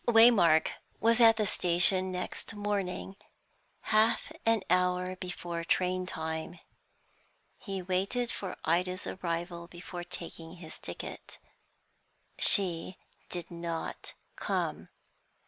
Waymark was at the station next morning half an hour before train time. He waited for Ida's arrival before taking his ticket. She did not come.